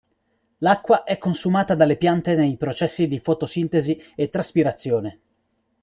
L'acqua è consumata dalle piante nei processi di fotosintesi e traspirazione.